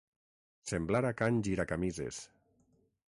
Semblar a Can Giracamises.